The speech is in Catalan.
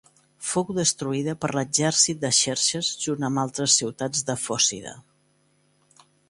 Fou destruïda per l'exèrcit de Xerxes junt amb altres ciutats de Fòcida.